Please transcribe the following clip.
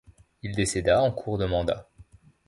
Il décéda en cours de mandat.